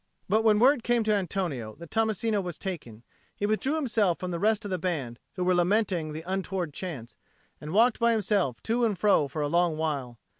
But when word came to Antonio that Tommasino was taken, he withdrew himself from the rest of the band who were lamenting the untoward chance, and walked by himself to and fro for a long while.